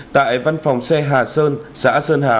tại văn phòng xe hà sơn xã sơn hà